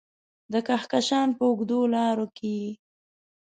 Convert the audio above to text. د کهکشان په اوږدو لارو کې یې